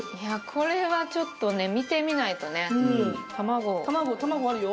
これはちょっとね見てみないとね。